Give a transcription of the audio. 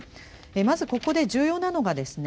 まずここで重要なのがですね